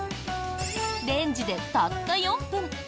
レンジでたった４分。